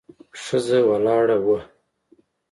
ښځه ولاړه وه.